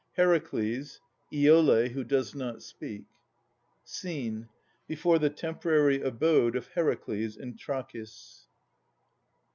HERACLES. IOLE, who does not speak. SCENE. Before the temporary abode of Heracles in Trachis.